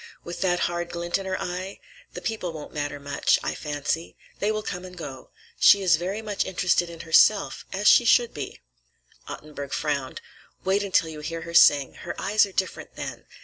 "With that hard glint in her eye? The people won't matter much, I fancy. They will come and go. She is very much interested in herself—as she should be." Ottenburg frowned. "Wait until you hear her sing. Her eyes are different then.